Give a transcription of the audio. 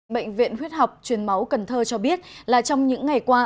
bệnh viện huyết học chuyên máu cần thơ cho biết là trong những ngày qua